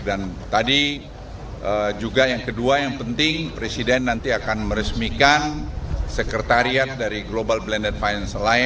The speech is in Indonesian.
dan tadi juga yang kedua yang penting presiden nanti akan meresmikan sekretariat dari global banking